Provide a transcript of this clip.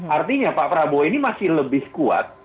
artinya pak prabowo ini masih lebih kuat